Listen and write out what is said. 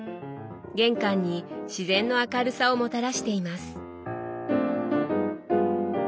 玄関に自然の明るさをもたらしています。